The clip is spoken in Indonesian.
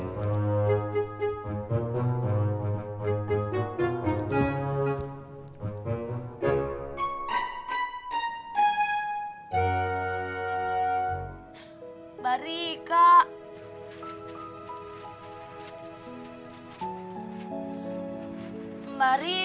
mari kak sebentar